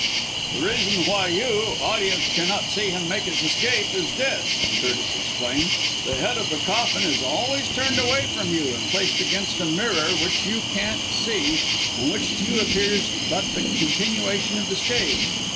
"The reason why you, audience, cannot see him make his escape is this," Curtis explained; "the head of the coffin is always turned away from you and placed against a mirror which you can't see, and which to you appears but the continuation of the stage.